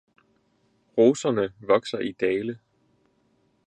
Roserne vokser i dale